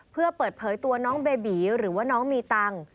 เพื่อเปิดเผยตัวน้องเบบีหรือว่าน้องมีตังค์